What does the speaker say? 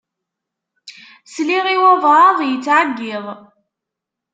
Sliɣ i walebɛaḍ yettɛeyyiḍ.